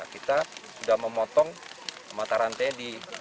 kita sudah memotong mata rantai di